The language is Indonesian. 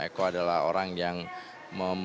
eko adalah orang yang membuat wajah saya menjadi berubah